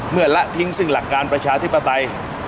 ละทิ้งซึ่งหลักการประชาธิปไตย